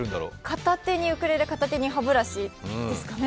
片手にウクレレ、片手に歯ブラシですかね？